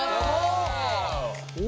お！